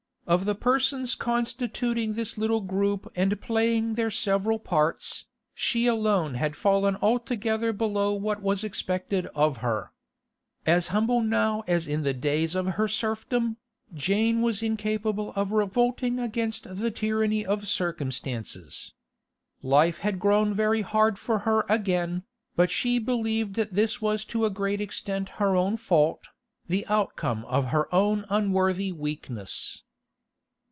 Of the persons constituting this little group and playing their several parts, she alone had fallen altogether below what was expected of her. As humble now as in the days of her serfdom, Jane was incapable of revolting against the tyranny of circumstances. Life had grown very hard for her again, but she believed that this was to a great extent her own fault, the outcome of her own unworthy weakness.